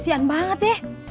sian banget ya